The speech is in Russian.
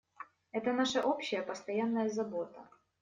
Это наша общая постоянная забота.